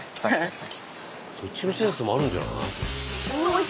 そっちのセンスもあるんじゃない？